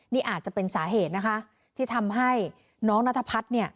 นี่อาจจะเป็นสาเหตุนะคะที่ทำให้น้องนัทพัฒน์เนี่ย